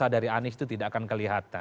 dari anies itu tidak akan kelihatan